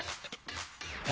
え。